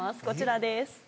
こちらです。